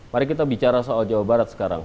mari kita bicara soal jawa barat sekarang